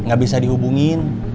gak bisa dihubungin